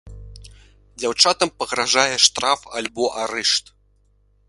Дзяўчатам пагражае штраф альбо арышт.